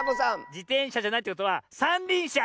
じてんしゃじゃないということはさんりんしゃ！